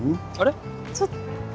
ちょっと。